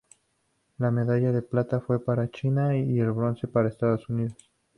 La medalla de plata fue para China y el bronce para Estados Unidos.